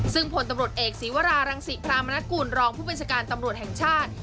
ซึ่งผลตำรวจเอกศีวรารังศิพรามนกุลรองผู้บัญชาการตำรวจแห่งชาติ